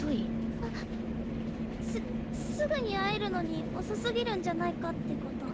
あっすすぐに会えるのに遅すぎるんじゃないかってこと。